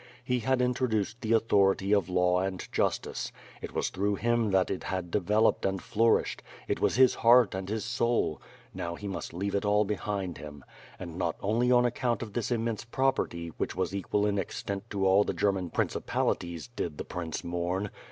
He had introduced the authority of law and justice; it was through him that it had developed and flourished; it was his heart and his soul — now he must leave it all behind him. And not only on account of this immense property, which was equal in extent to all the German principalities, did the prince mourn!